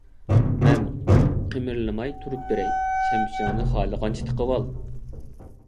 مەن قىمىرلىماي تۇرۇپ بېرەي، شەمشىرىڭنى خالىغانچە تىقىۋال!